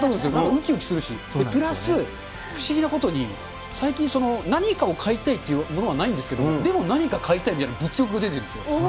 うきうきするし、プラス不思議なことに、最近、何かを買いたいっていうものはないんですけど、でも何か買いたい、物欲が出てくるんですよ。